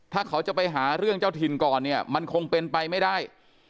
ถ้าเขาจะไปหาเรื่องเจ้าถิ่นก่อนเนี่ยมันคงเป็นไปไม่ได้